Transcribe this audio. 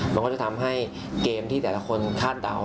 มันก็จะทำให้เกมที่แต่ละคนคาดเดา